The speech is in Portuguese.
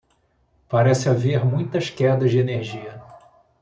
Parece haver muitas quedas de energia.